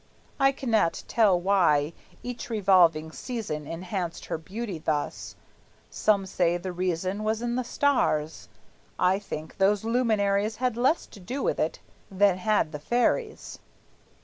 I cannot tell why each revolving season Enhanced her beauty thus. Some say the reason Was in the stars; I think those luminaries Had less to do with it than had the fairies!